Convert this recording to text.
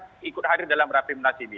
karena ikut hadir dalam rapimnas ini